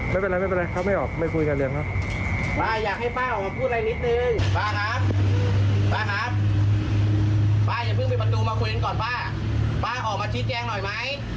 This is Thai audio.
ป้าแตงมีโอกาสพูดพูดหน่อยไหม